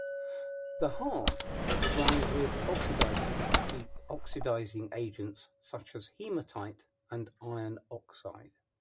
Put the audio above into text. The hearth was lined with oxidizing agents such as haematite and iron oxide.